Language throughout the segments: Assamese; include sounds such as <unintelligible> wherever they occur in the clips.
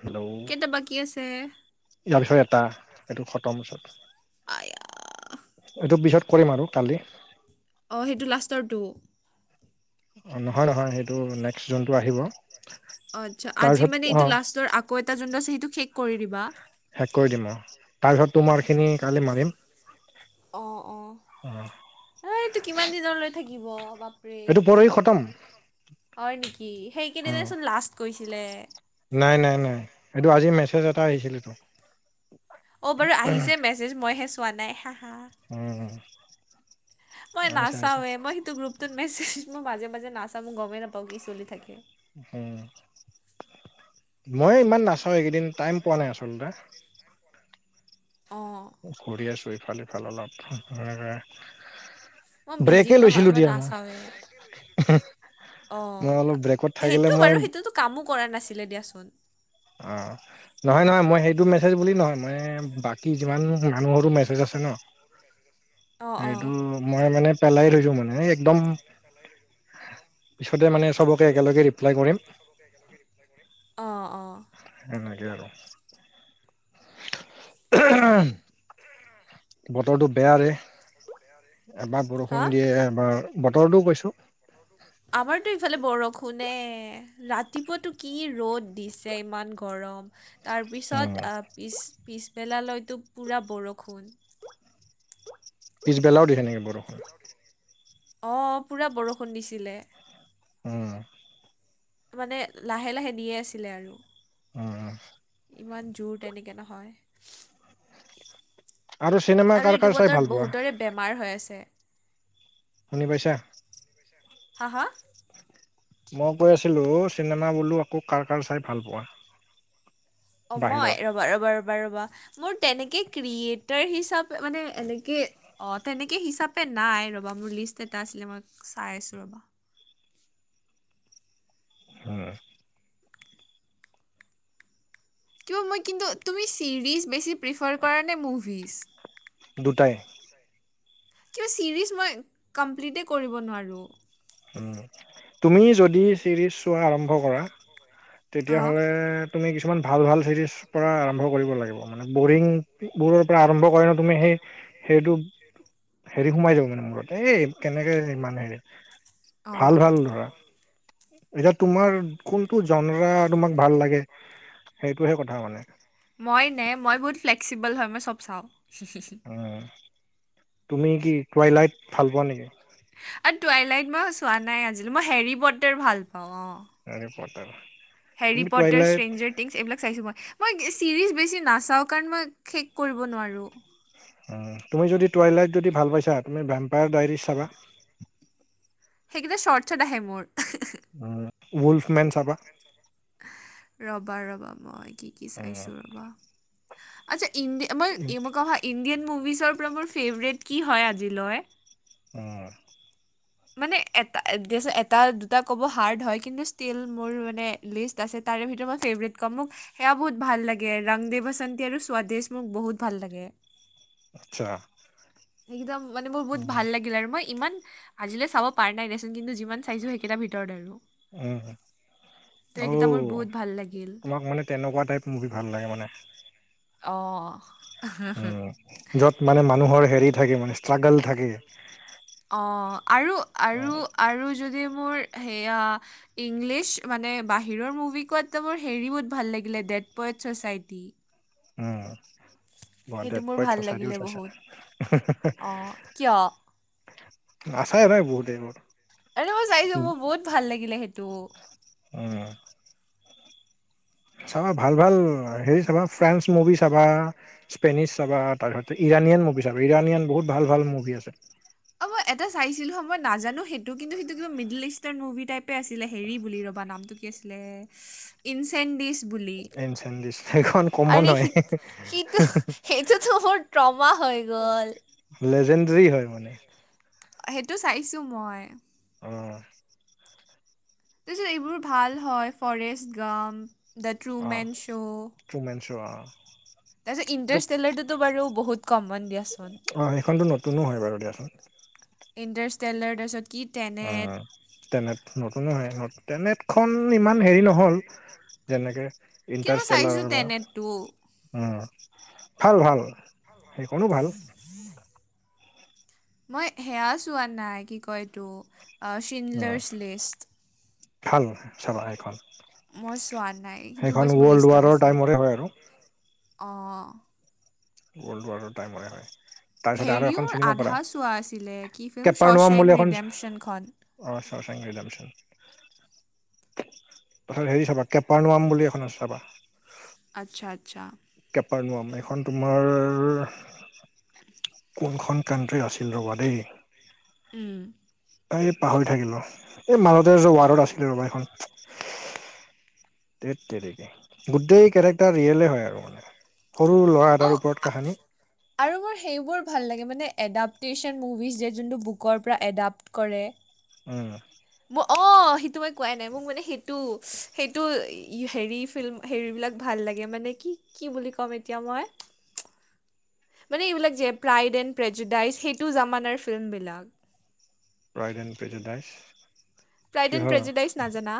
হেল্ল' কেইটা বাকী আছে ইয়াৰ বিষয়ে এটা এইটো খতম ওচৰত আয়া এইটো পিছত কৰিম আৰু কালি। অঁ সেইটো লাষ্টৰটো অ নহয়-নহয় সেইটো নেক্সট জুনটো আহিব। অ আচ্ছা, আজি তাৰপিছত মানে অ এইটো লাষ্টৰ আকৌ এটা যোনটো আছে সেইটো শেষ কৰি দিবা? শেষ কৰি দিম, অ তাৰপিছত তোমাৰ খিনি কালি মাৰিম অঁ অঁ অ' অ এইটো কিমান দিনলৈ থাকিব, বাপৰে এইটো পৰহি খতম হয় নেকি, সেইকেইদিনে চোন লাষ্ট কৈছিলে। নাই-নাই-নাই এইটো আজি মেছেজ এটা আহিছিলে তো অঁ বাৰু আহিছে মেছেজ, মইহে চোৱা নাই হাঁ-হা হুমম মই নাচাওে, মই সেইটো গ্ৰুপটোত মেছেজ মই মাজে-মাজে নাচাওঁ মই গমেই নাপাওঁ কি চলি থাকে। হুমম মই ইমান নাচাওঁ এইকেইদিন টাইম পোৱা নাই আচলতে অঁ কৰি আছো ইফাল-ইফাল অলপ মই ব্ৰেকে বিজিও নহয়! লৈছিলো মই দিয়া নাচাওঁৱে। অ', মই অলপ ব্ৰেকত থাকিলে সেইটো মই বাৰু সেইটোতো কামো কৰা নাছিলে দিয়াচোন? অ', নহয়, নহয়। মই সেইটো মেছেজ বুলি নহয়। মানে বাকী যিমান মানুহৰো মেছেজ আছে ন? অ সেইটো অ মই মানে পেলাই ধৰিছোঁ মানে এ একদম! পিছতে মানে চবকে একেলগে ৰিপ্লাই কৰিম। অ', অ'। হেনেকে আৰু। বতৰটো বেয়া ৰে। এবাৰ হা? বৰষুণ দিয়ে, এবাৰ বতৰটোও কৈছোঁ। আমাৰতো ইফালে বৰষুণে। ৰাতিপুৱা তো কি ৰ'দ দিছে! ইমান গৰম? উম, তাৰপিছত আ', পিছ পিছবেলালৈতো পোৰা বৰষুণ। পিছবেলাও দিছে নেকি বৰষুণ? অ', পুৰা বৰষুণ দিছিলে। উম। মানে লাহে লাহে দিয়ে আছিলে আৰু। অ, অ। ইমান জোৰ তেনেকে নহয়। আৰু চিনেমা আৰু কাৰ কাৰ এইটো চাই ভাল বতৰত পোৱা বহুতৰে বেমাৰ হৈ আছে। শুনি পাইছাঁ? হা, হা! মই কৈ আছিলো, চিনেমা বোলো আকৌ কাৰ কাৰ চাই ভাল পোৱা? অ', মই! বাহিৰত ৰ'বা, ৰ'বা, ৰ'বা, ৰ'বা! মোৰ তেনেকে ক্ৰিয়েটাৰ হিচাপে মানে এনেকে? অ', তেনেকে হিচাপে নাই। ৰবা, মোৰ লিষ্ট এটা আছিলে। মই চাই আছোঁ ৰ'বা। হুম। কিবা মই কিন্তু তুমি ছিৰিজ বেছি প্ৰিফাৰ কৰা নে, মুভিজ? দুটাই। কিবা ছিৰিজ মই কমপ্লিতেই কৰিব নোৱাৰোঁ। তুমি যদি চিৰিজ চোৱা আৰম্ভ কৰা। অঁ তেতিয়াহ'লে তুমি কিছুমান ভাল ভাল চিৰিজ পৰা আৰম্ভ কৰিব লাগিব। মানে বৰিং বোৰৰ পৰা আৰম্ভ কৰে ন, তুমি সেই সেইটো হেৰি সোমাই যাব মানে মূৰত, এ কেনেকে ইমান হেৰি অঁ ভাল ভাল ধৰা। এতিয়া তোমাৰ কোনটো জনৰা তোমাক ভাল লাগে, সেইটোহে কথা মানে। মই নে? মই বহুত ফ্লেক্সিবল হয়। মই চব চাওঁ। উম', তুমি কি? টুৱাইলাইট ভাল পোৱা নেকি টুৱাইলাইট মই চোৱা নাই আজি লৈ? মই হেৰি পটাৰ ভাল পাওঁ। হেৰিপটাৰ। হেৰিপটাৰ <unintelligible> এইবিলাক চাইছো মই। মই চিৰিজ বেছি নাচাওঁ? কাৰণ, মই শেষ কৰিব নোৱাৰোঁ। উম, তুমি যদি টুৱাইলাইট যদি ভাল পাইছা? তুমি ভেম্পায়াৰ ডায়েৰী চাবা। সেইকেইটা শৰ্ট শৰ্ট আহে মোৰ। উম, ৱলফ মেন চাবা? ৰবা, ৰবা! মই কি কি উম, চাইছো? ৰবা! আচ্ছা' <unintelligible> উম, ইণ্ডিয়ান মুভিচৰ পৰা মোৰ ফেভৰেট কি হয় আজিলৈ। উমঁ। মানে এটা, এটা দুটা ক'ব হাৰ্ড হয় কিন্তু ষ্টীল মোৰ মানে লিষ্ট আছে। তাৰে ভিতৰত মই ফেভৰেট কম মোক সেইয়া বহুত ভাল লাগে। ৰাং দেৱ বচন্তি আৰু স্বাদেশ মোক বহুত ভাল লাগে। আচ্ছা। একদম মানে মোৰ বহুত উম, ভাল লাগিল আৰু মই ইমান আজিলৈ চাব পাৰ নাই দেচোন কিন্তুি যিমান চাইছো সেইকেইটাৰ ভিতৰত আৰু উম, ত' এইকেইটা মোৰ অ' বহুত ভাল লাগিল। আমাক মানে তেনেকুৱা টাইপ মুভি ভাল লাগে মানে। অঁ'। উম, য'ত মানে মানুহৰ হেৰি থাকে মানে ষ্ট্ৰাগল থাকে। অঁহ' আৰু আৰু আৰু যদি মোৰ সেয়া ইংলিছ মানে বাহিৰৰ মুভিতকৈ মোৰ হেৰি বহুত ভাল লাগিলে ডেড পয়ট ছচাইটি। উমঁ। সেইটো ডেড মোৰ পয়ট ভাল লাগিলে ছচাইটিও চাইছা নে। বহুত অ', কিয় আৰে নাছায় নাই বহুতে এইবোৰ। মই চাইছোঁ উমঁ'। মোৰ বহুত ভাল লাগিলে সেইটো চাবা ভাল ভাল হেৰি চাবা ফ্ৰেঞ্চ মুভি চাবা, স্পেনিছ চাবা তাৰপিছত ইৰাণিয়ান মুভি চাবা, ইৰাণিয়ান বহুত ভাল ভাল মুভি আছে। অ' মই এটা চাইছিলো হা, মই নাজানো সেইটো কিন্তু সেইটো কিবা মিডিল ইষ্ট টাৰ মুভি টাইপে আছিলে হেৰি বুলি ৰ'বা নামটো কি আছিলে ইনচেনডিচ বুলি। এনচেণ্ট ডিছ সেইখন কমন আৰে হয় সি-সিটো সেইটোতো মোৰ ট্ৰমা হৈ গ'ল। লেজেণ্ডৰৰি হয় মানে। সেইটো চাইছোঁ মই। অঁ। তাৰপিছত এইবোৰ ভাল হয় ফৰেষ্ট গাম, দা ট্ৰুমেন শ্ব'। ট্ৰুমেণ্ছো অঁ। তাৰপিছত ইন্টাৰ ষ্টেলাৰটোতো বাৰু বহুত কমন দিয়াচোন। অ সেইখনতো নতুনো হয় বাৰু দিয়াচোন এণ্ডাৰ টলাৰডাৰছত <unintelligible> কি টেনেট অ', তেনেট নতুনো <unintelligible> তেনেটখন ইমান হেৰি নহ'ল। যেনেকে কিন্তু মই ইন্তুষ্ট্ৰেলাৰ চাইছোঁ বা টেনেটটো উম, ভাল ভাল। সেইখনো ভাল <unintelligible> মই সেয়া চোৱা নাই, কি কয় এইটো উম চিনলাৰছ লিষ্ট। ভাল চাবা এইখন। মই চোৱা নাই কিন্তু বছ মোৰ লিষ্টত ৱাৰৰ আছে। টাইমৰে হয় আৰু অঁ'। ৱৰ্ল্ড ৱাৰৰ টাইমৰে হয়। তাৰপিছতে আৰু এখন হেৰিওৰ চিনিব পাৰা আধা চোৱা আছিলে কি ফিল্ম শ্বচেং ৰিডেম্যনখন। অঁ' <unintelligible> তাৰপিছত হেৰি চাবা কেপাৰনোৱাম বুলি এখন আছে চাবা। আচ্ছা-আচ্ছা'। কেপাৰনোৱাম এইখন তোমাৰ কোনখন কানট্ৰি আছিল ৰ'বা দেই। উমঁ'। এই পাহৰি থাকিলো। এই মাজতে ৱাৰ্ডত আছিলে ৰবা এইখন তে তেৰিকি গোটেই কেৰেক্টাৰ ৰিয়েলে হয় আৰু। মানে সৰু ল'ৰা এটাৰ অঁ ওপৰত কাহানী। আৰু মোৰ সেইবোৰ ভাল লাগে মানে এডাপ্টেশচন মুভিজ যে যোনটো বুকৰ পৰা এডাপ্ট কৰে। উম। অ', সেইটো মই কোৱাই নাই মোক মানে সেইটো সেইটো হেৰি ফিল্ম- হেৰিবিলাক ভাল লাগে মানে। কি কি বুলি ক'ম এতিয়া মই। <inaudible> মানে এইবিলাক যে প্ৰাইড এণ্ড প্ৰেজেডাইজ। সেইটো জামানাৰ ফিল্মবিলাক। Pride and prejudice. Pride and prejudice নাজানা?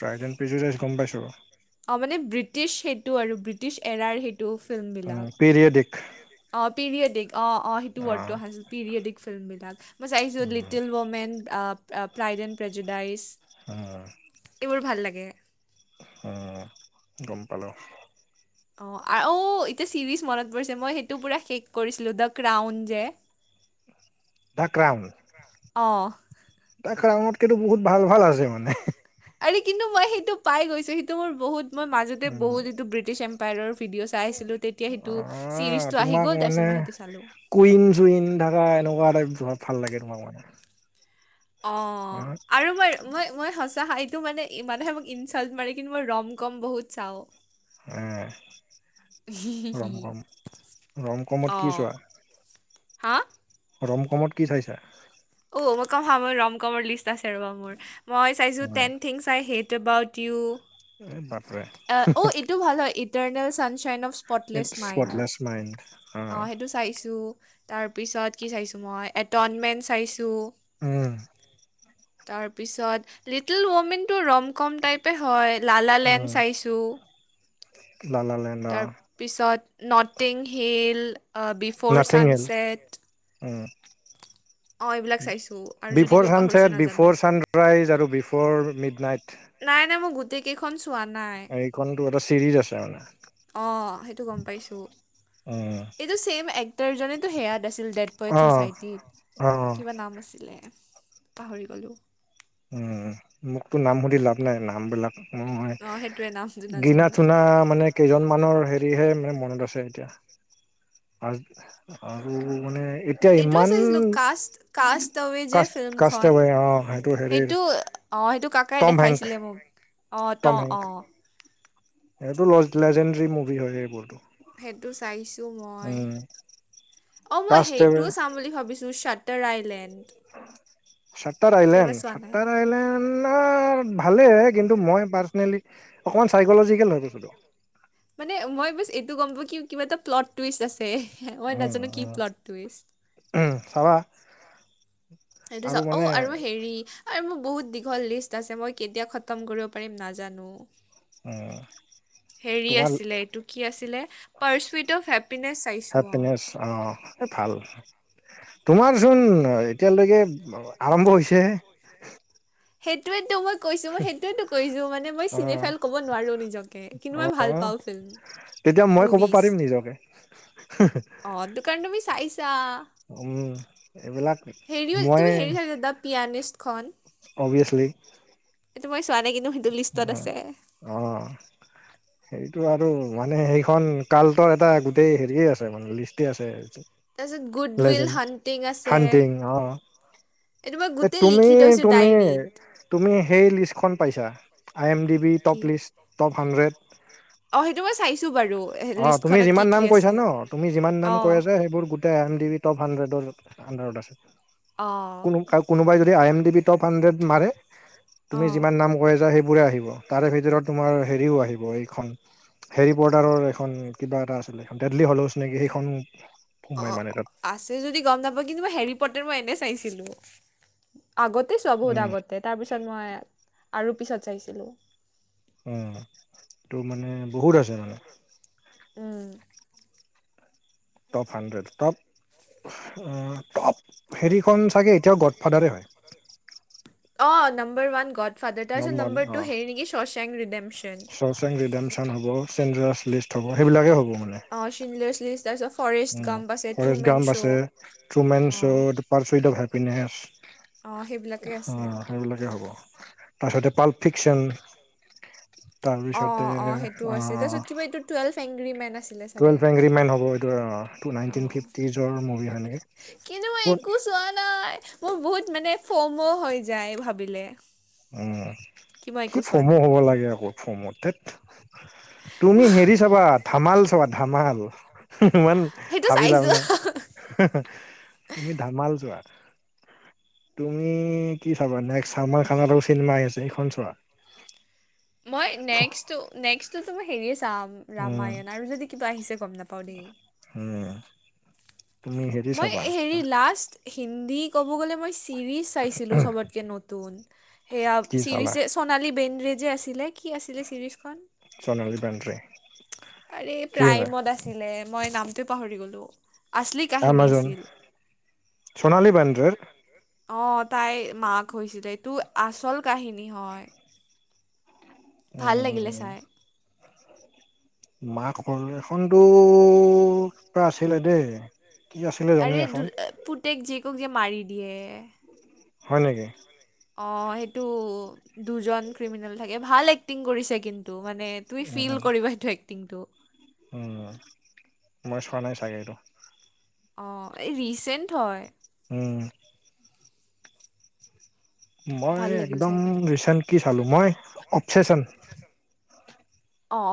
প্ৰাইডেন পিজি ৰাইচ গম পাইছোঁ। অ, মানে ব্ৰিটিছ সেইটো আৰু ব্ৰিটিছ এৰাৰ সেইটো। ফিল্ম উ, পিৰিয়ডিক অ, পিৰিয়ডিক অ', অ', সেইটো ৱৰ্ডটোহছিল পিৰিয়ডিক ফিল্মবিলাক। মই চাইছোঁ little women pride and prejudice অ'। এইবোৰ ভাল লাগে। উম, গম পালো। অ', অ', এতিয়া চিৰিজ মনত পৰিছে, মই সেইটো পুৰা শেষ কৰিছিলোঁ দ, ক্ৰাউন যে। <inaudible> দা ক্ৰাউন, অ দা ক্ৰাউনতকেতো বহুত ভাল, ভাল আছে মানে। আৰে কিন্তু মই সেইটো পাই গৈছো, সেইটো মোৰ বহুত মই মাজতে উম, বহুত যিটো ব্ৰিটিছ ম্পায়ৰ ভিডিঅ' চাই আছিলোঁ, তেতিয়া সেইটো আহ চিৰিজটো আহি তোমাক গ'ল মানে তাৰপিছত মই সেইটো চালোঁ। কুইন, চুইন থাকা এনেকুৱা টাইপ ভাল লাগে তোমাক মানে। অ, আৰু, মাৰু মই মই, সঁচা হাইতটো মানে ই, মানহে মোক ইনচাল্ট মাৰে কিন্তু মই ৰম, কম বহুত চাওঁ। আহ, ৰম, কম, ৰম কমত কি অ', চোৱা? হা? ৰম কমত কি চাইছা? অ, মই কম হ, মই ৰম কমৰ লিষ্ট আছে ৰ'বা, মোৰ মই চাইছোঁ উম, ten things I hate about. এই বাপৰে অ, এইটো ভাল হয়, eternal sunshine of spotless mind spotless mind অ, সেইটো চাইছোঁ। তাৰপিছত কি চাইছোঁ, মই এটনমেণ্ট চাইছোঁ। তাৰপিছত লিটিল ওমেনটো ৰম কম টাইপে হয়, লালা লেন চাইছো লালা লেণ্ড তাৰ পিছত নৰ্টিং হিল, বিফ'ৰ ছানচেট। উ, এইবিলাক চাইছোঁ আৰু যদি বিফৰ কিবা পাহৰিছোঁ চানচট, বিফ নাজানো চান প্ৰাইজ আৰু বিফ'ৰ মিড নাইট। নাই, নাই মই গ গোটেই কেইখন চোৱা নাই, এইখনতো এটা চিৰিজ আছে মানে। অ, সেইটো গম পাইছো। উম। এইটো চছেম এক্টাৰজনেতো সেয়াত আছিল দেট পৰ্ট, অ', ছচাইটিত অ', কিবা নাম আছিলে পাহৰি গ'লোঁ। উম, মোকতো নাম সুধি লাভ নাই, নামবিলাক অ', হয়, সেইটোৱে নামটো গিনা নাজানো চুনা মানে কেইজনৰ মানুৰ হেৰিহে মানে মনত আছে এতিয়া। আৰ আৰু মানে এতিয়া এইটোও ইমান চাইছিলো কাষ্ট কাষ্ট আৱে যে কষ্ট ফিল্মখন কষ্ট হয় অ' হয়। সেইটো অ' সেইটো কাকাই হেংক, দেখাইছিলে মোক অ' ত টম হেংক অ'। সেইটো লজ লেজেণ্ডৰী মুভি হয় এইবোৰতো। সেইটো চাইছো মই, উম, অ' মই কাষ্ট এৱে সেইটোও চাম বুলি ভাবিছো চাদ তাৰ আইলেণ্ড। চাটাৰ কেতিয়াবা আইলেণ্ড চোৱা নাই চাটাৰ আইলেণ্ড আ ভালেইে, কিন্তু মই পাৰ্চনেলি অকণমান চাইকলজিকেল হৈ গৈছিলোঁ। মানে মই বাছ এইটো গম পাওঁ কি কিবা এটা প্লট টুইষ্ট আছে। মই উম নাজানো কি প্লট টুইষ্ট। উম, চাবা। সেইটো আৰু চ, অ' মানে আৰু হেৰি আৰু মোৰ বহুত দীঘল লিষ্ট আছে মই কেতিয়া খতম কৰিব পাৰিম নাজানো। উম। হেৰি তোমাৰ আছিলে এইটো কি আছিলে পাৰ্চ উইট অফ হেপ্পিনেছ চাইছোঁ অ'। হেপিনেছ অ', এ ভাল। তোমাৰচোন এতিয়ালৈকে আৰম্ভ হৈছেহে। কৈছে। সেইটোৱেতো মই কৈছো মই সেইটোৱেটো কৈছো মানে মই অ চিনে ফাইল ক'ব নোৱাৰো নিজকে কিন্তু অ মই ভাল পাওঁ ফিল্ম। উম। তেতিয়া মই কব পাৰিম নিজকে। <inaudible> অ', দোকান তুমি চাইছা। উম এইবিলাক হেৰি অ' মই তুমি হেৰি চাইছা দা পিয়ানেষ্টখন? অ'ভিয়াছলি। এইটো মই চোৱা নাই কিন্তু সেইটো লিষ্টত আছে। অ', সেইটো আৰু মানে সেইখন কালটোৰ এটা গোটেই হেৰিয়ে আছে মানে লিষ্টে আছে। তাৰপিছত গুড উইল লিজেণ্ড হাণ্টিং আছে হাণ্টিং অ'। এইটো মই এ গোটেই তুমি লিখি থৈছো তুমি ডায়েৰীত তুমি সেই লিষ্টখন- পাইচা I M D B top কি লিষ্ট ট'প হাণ্ড্ৰেড। অ', সেইটো মই চাইছো বাৰু। অ', তুমি লিষ্টখনত কি যিমান কি নাম কৈছা আছে ন' তুমি যিমান নাম অ কৈ আছা সেইবোৰ- এ এম ডি টপ হাণ্ড্ৰেডৰ আণ্ডাৰত আছে। অ'। কোন কোনোবাই যদি I M D B top hundred মাৰে। তুমি যিমান অ নাম কৈ আছা সেইবোৰে আহিব তাৰে ভিতৰত তোমাৰ হেৰিও আহিব এইখন বৰ্ডাৰৰ এখন কিবা এটা আছিলে ডেড্‌লি হ'লোছ নেকি সেইখন সোমাই অ', মানে তাত। আছে যদি গম নাপাওঁ কিন্তু মই হেৰি প'টাৰ মই এনে চাইছিলো আগতে চোৱা বহুত উম আগত। তে তাৰপিছত মই আৰু পিছত চাইছিলোঁ। অ', তোৰ মানে বহুত আছে মানে। উম। ট'প হাণ্ড্ৰেড ট'প ট'প হেৰিখন চাগে এতিয়াও গড ফাদাৰে হয়। অ' নাম্বাৰ ওৱান গড ফাদাৰ, তাৰপিছত নমান নম্বাৰ টু হেৰি নেকি শচেং ৰিডেমচন। চোচেং ৰিডেম্‌শ্যন হ'ব চিন্দ্ৰেলাছ লিষ্ট হ'ব সেইবিলাকেই হ'ব মানে। অ' চিন্দ্ৰেলাছ লিষ্ট তাৰপিছত ফৰেষ্ট গম্প আছে ফৰেষ্ট ট্ৰুমেন গাম্প চো। আছে ট্ৰুমেন চো, পাৰ্ফিত অফ হেপ্পিনেছ। অ', সেইবিলাকে আছে। অ' সেইবিলাকে হ'ব। তাৰপিছতে পাল ফিকচন তাৰপিছতে অ টুয়েলভ এংগ্ৰি মেন আছিলে চাগে। টুয়েলভ এংগ্ৰি মেন হ'ব এইটো অ টু নাইন্‌টিন অ', ফিফটিজৰ মুভি হয় নেকি? কিন্তু মই একো চোৱা নাই মোৰ বহুত মানে ফমো হৈ যায় ভাবিলে। উম মই কি একো চোৱা ফমো নাই হ'ব লাগে আকৌ ফমো, ধেত। তুমি হেৰি চাবা ধামাল চাবা ধামাল ইমান সেইটো ভাবি লাভ নাই। চাইছোঁ। হু হু তুমি ধামাল চোৱা। তুমি কি চাবা নেক্সট চালমাৰ খানৰ চিনেমা আহি আছে সেইখন চোৱা। মই নেক্সটো নেক্সটো তোমাৰ হেৰিয়ে চাম উম, ৰামায়ণ আৰু যদি কিবা আহিছে গম নাপাও দেই। উম। তুমি হেৰি মই চাবা হেৰি লাষ্ট হিন্দী ক'ব গ'লে মই ছিৰিজ চাইছিলো চবতকে নতুন সেয়া কি চালা ছিৰিজে সোনালী বেন্দ্ৰে যে আছিলে। কি আছিলে ছিৰিজখন? সোণালী বেন্দ্ৰে। আৰে প্ৰাইমত আছিলে মই নামটোৱে পাহৰি গ'লো। আচলি কাহিনী আমাজন আছিল। চণালী বান্দ্ৰেৰ অ তাইৰ মাক হৈছিলে, এইটো আচল কাহিনী হয়। উম ভাল উম লাগিলে উম। চাই মাক সকলোৱে এখনতো কিবা আছিলে দেই। কি আছিলে জানো আৰে দু এখন পুতেক জীয়েকক যে মাৰি দিয়ে। হয় নেকি? অ সেইটো দুজন ক্ৰিমিনেল থাকে, ভাল এক্টিং কৰিছে কিন্তু মানে। তুমি উম, ফিল কৰিবা এইটো এক্টিংটো। মই চোৱা নাই চাগে এইটো। অ, এই ৰিচেণ্ট হয়। উম। মই ভাল লাগিল একদম চাই কিন্তু ৰিচেণ্ট কি চালো মই অফছেচন। অ'